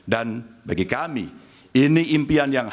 dan bagi kami ini impian yang harus